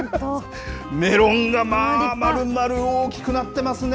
メロンが、まあ、まるまる大きくなってますね。